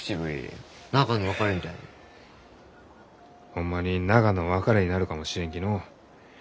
ホンマに永の別れになるかもしれんきのう。